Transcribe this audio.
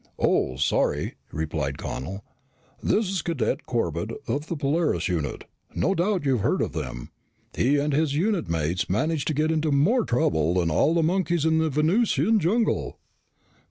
"Oh, sorry," replied Connel. "This is Cadet Corbett of the Polaris unit. No doubt you've heard of them. He and his unit mates manage to get into more trouble than all the monkeys in the Venusian jungle."